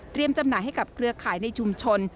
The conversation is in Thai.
จำหน่ายให้กับเครือข่ายในชุมชน